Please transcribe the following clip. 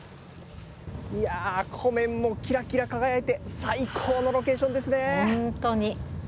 いやー、湖面もきらきら輝いて、最高のロケーションですね。